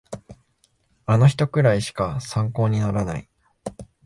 あの人くらいしか参考にならない